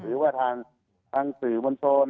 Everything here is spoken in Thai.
หรือว่าทางสื่อมวลชน